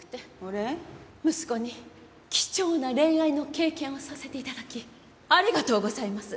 息子に貴重な恋愛の経験をさせて頂きありがとうございます。